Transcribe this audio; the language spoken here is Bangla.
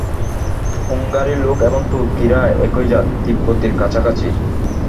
হুঙ্গারির লোক এবং তুর্কীরা একই জাত, তিব্বতীর কাছাকাছি।